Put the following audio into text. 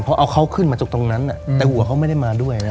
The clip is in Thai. เพราะเอาเขาขึ้นมาจากตรงนั้นแต่หัวเขาไม่ได้มาด้วยนะ